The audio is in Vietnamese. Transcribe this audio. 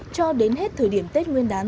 cho đến hết thời điểm tết nguyên đán